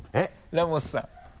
ラモスさん。